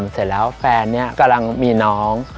เสร็จแล้วแฟนกำลังมีน้อง